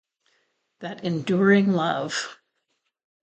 That enduring love.